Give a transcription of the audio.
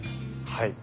はい。